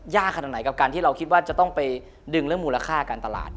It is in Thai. ขนาดไหนกับการที่เราคิดว่าจะต้องไปดึงเรื่องมูลค่าการตลาด